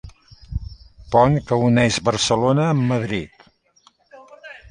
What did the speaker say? Pont que uneix Barcelona amb Madrid.